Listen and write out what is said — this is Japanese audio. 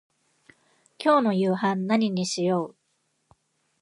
今日の夕飯何にしよう。